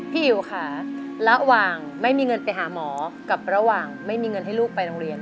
อิ๋วค่ะระหว่างไม่มีเงินไปหาหมอกับระหว่างไม่มีเงินให้ลูกไปโรงเรียน